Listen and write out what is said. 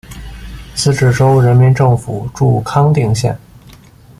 自治州人民政府驻康定县。